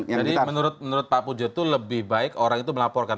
jadi menurut pak puja itu lebih baik orang itu melaporkan